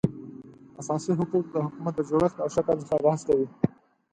اساسي حقوق د حکومت د جوړښت او شکل څخه بحث کوي